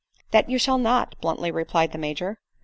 " That you shall not," bluntly replied the Major.